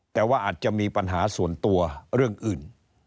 แต่ว่าอาจจะมีปัญหาส่วนตัวเรื่องอื่น